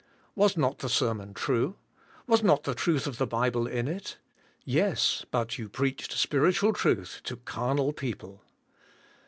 "Was not the sermon true? Was not the truth of the Bible in it? Yes, but you preached spiritual truth to carnal people.